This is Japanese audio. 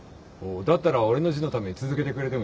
だったら俺の字のために続けてくれてもいいぞ。